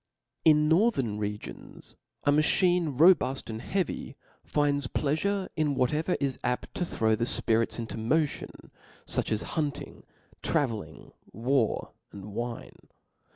In northern regions a machine robuft and heavy, finds a plea fure in whatever is apt to throw the fpirits into motion, fuch as hunting, travelling, war, and ^ine.